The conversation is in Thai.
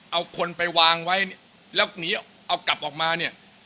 เอาคนไปวางไว้แล้วหนีเอากลับออกมาเนี่ย